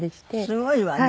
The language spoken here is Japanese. すごいわね。